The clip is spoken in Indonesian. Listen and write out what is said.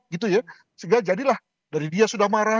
sehingga jadilah dari dia sudah marah